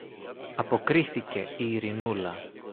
αποκρίθηκε η Ειρηνούλα.